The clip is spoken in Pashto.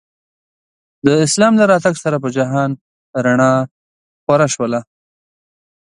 د اسلام له راتګ سره په جهان رڼا خوره شوله.